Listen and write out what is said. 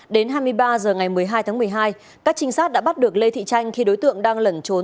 đến hai mươi ba h ngày một mươi hai tháng một mươi hai các trinh sát đã bắt được lê thị tranh khi đối tượng đang lẩn trốn